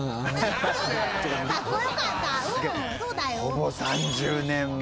ほぼ３０年前。